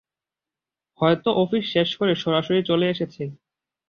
হয়তো অফিস শেষ করে সরাসরি চলে এসেছে।